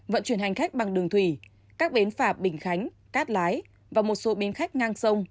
vận chuyển hành khách bằng đường thủy các bến phà bình khánh cát lái và một số bến khách ngang sông